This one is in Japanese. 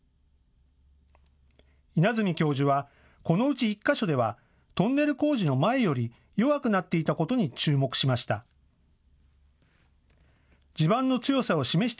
稲積教授は、このうち１か所ではトンネル工事の前より弱くなっていたことに注目しました。